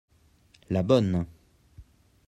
la bonne.